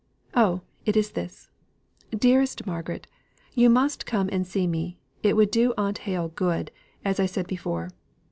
Oh, it is this Dearest Margaret! you must come and see me; it would do Aunt Hale good, as I said before.